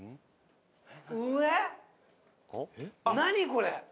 これ。